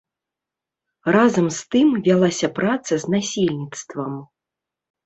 Разам з тым вялася праца з насельніцтвам.